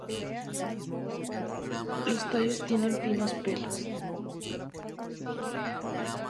Los tallos tienen finos pelos.